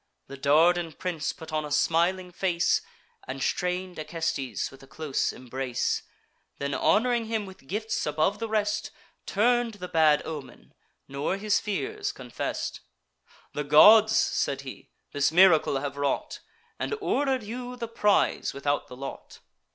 The Dardan prince put on a smiling face, And strain'd Acestes with a close embrace; Then, hon'ring him with gifts above the rest, Turn'd the bad omen, nor his fears confess'd. "The gods," said he, "this miracle have wrought, And order'd you the prize without the lot.